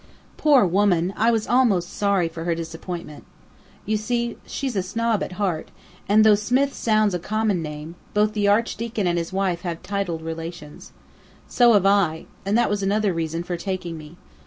"Poor woman, I was almost sorry for her disappointment! You see, she's a snob at heart, and though 'Smith' sounds a common name, both the Archdeacon and his wife have titled relations. So have I and that was another reason for taking me.